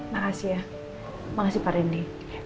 makasih ya makasih pak randy